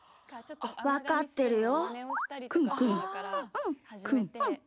わかってるよ。